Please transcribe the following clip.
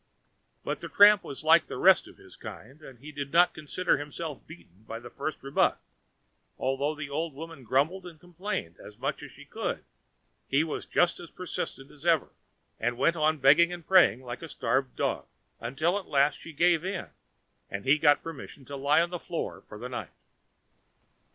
But the tramp was like the rest of his kind; he did not consider himself beaten at the first rebuff. Although the old woman grumbled and complained as much as she could, he was just as persistent as ever, and went on begging and praying like a starved dog, until at last she gave in, and he got permission to lie on the floor for the night.